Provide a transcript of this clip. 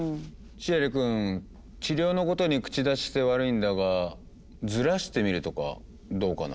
シエリくん治療のことに口出しして悪いんだがずらしてみるとかどうかな？